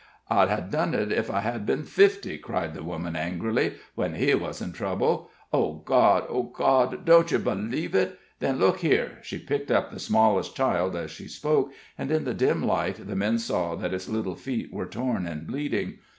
"I'd ha' done it ef it had been fifty," cried the woman, angrily, "when he wuz in trouble. Oh, God! Oh, God! Don't yer b'leeve it? Then look here!" She picked up the smallest child as she spoke, and in the dim light the men saw that its little feet were torn and bleeding.